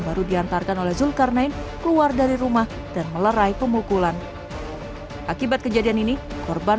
baru diantarkan oleh zulkarnain keluar dari rumah dan melerai pemukulan akibat kejadian ini korban